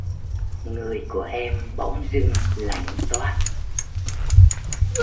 Người của em bỗng dưng lạnh toát